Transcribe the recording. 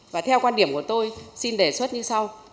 và theo quan điểm của tôi xin đề xuất như sau